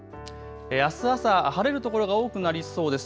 あす朝、晴れる所が多くなりそうです。